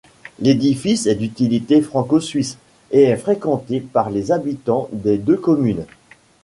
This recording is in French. L'édifice est d'utilité franco-suisse, et est fréquentée par les habitants des deux communes.